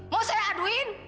mau saya aduin